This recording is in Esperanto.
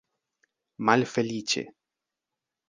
malfeliĉe